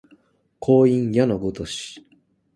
光陰矢のごとし